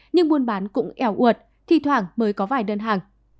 nhưng buôn bán cũng éo ụệt thi thoảng mới có vài đơn hàng